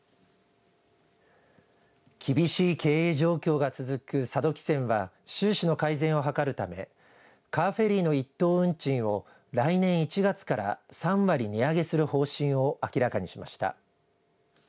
厳しい経営状況が続く佐渡汽船は収支の改善を図るためカーフェリーの１等運賃を来年１月から３割値上げする方針を明らかにしました。